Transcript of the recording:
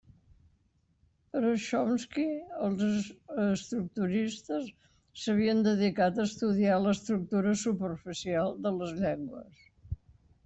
Per a Chomsky, els estructuralistes s’havien dedicat a estudiar l’estructura superficial de les llengües.